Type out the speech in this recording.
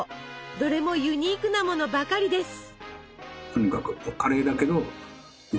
どれもユニークなものばかりです！